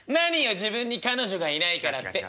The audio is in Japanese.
自分に彼女がいないからってやいてんの？」。